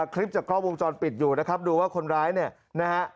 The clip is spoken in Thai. คลิปจากกล้องวงจรปิดอยู่นะครับดูว่าคนร้ายเนี่ยนะฮะ